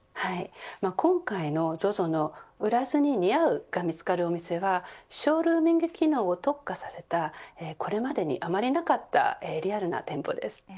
今回のＺＯＺＯの売らずに似合うが見つかるお店はショールーミング機能を特化させたこれまでにあまりなかったリアルな店舗です。